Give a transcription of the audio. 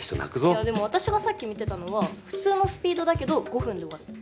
いやでも私がさっき見てたのは普通のスピードだけど５分で終わるの。